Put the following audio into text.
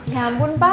ya ampun pak